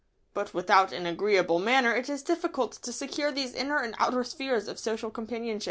But without an agreeable manner it is difficult to secure these inner and outer spheres of social companionship.